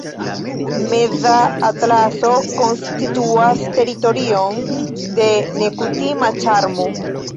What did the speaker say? Meza Atlaso konstituas teritorion de nekutima ĉarmo.